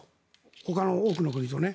ほかの多くの国とね。